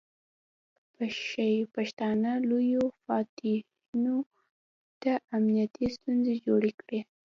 پښتانه لویو فاتحینو ته امنیتي ستونزې جوړې کړې.